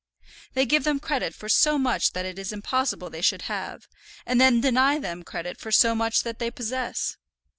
They give them credit for so much that it is impossible they should have, and then deny them credit for so much that they possess!